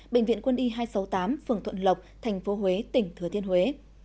bệnh viện quân y hai trăm sáu mươi tám phường thuận lộc tp huế tỉnh thừa thiên huế